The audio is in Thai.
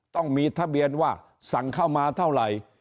ต้องมีทะเบียนว่าสั่งเข้ามาเท่าไหร่